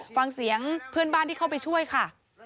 ฟังเสียงเพื่อนบ้านที่เข้าไปช่วยค่ะ